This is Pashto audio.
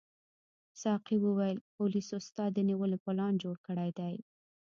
ساقي وویل پولیسو ستا د نیولو پلان جوړ کړی دی.